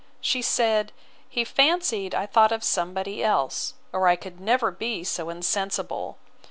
She said, he fancied I thought of somebody else, or I could never be so insensible.